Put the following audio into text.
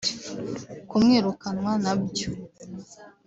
Kumwirukanwa nabyo